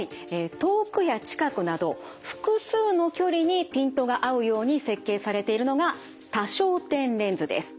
遠くや近くなど複数の距離にピントが合うように設計されているのが多焦点レンズです。